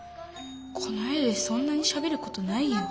この絵でそんなにしゃべることないよ。